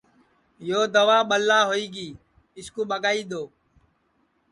یو دوا ٻلا ہوئی گی اِس کُو ٻگائی دؔو